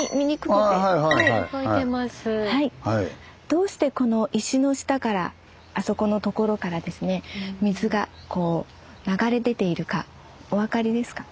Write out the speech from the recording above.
どうしてこの石の下からあそこのところからですね水がこう流れ出ているかおわかりですか？